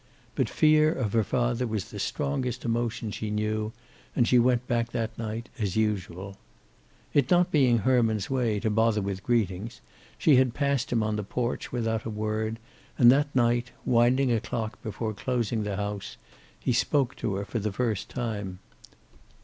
But fear of her father was the strongest emotion she knew, and she went back that night, as usual. It not being Herman's way to bother with greetings, she had passed him on the porch without a word, and that night, winding a clock before closing the house, he spoke to her for the first time.